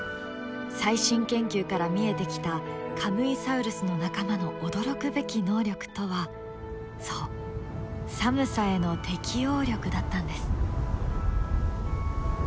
最新研究から見えてきたカムイサウルスの仲間の驚くべき能力とはそう寒さへの適応力だったんです。